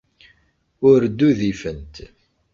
Ur d-udifent.